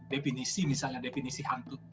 definisi misalnya definisi hantu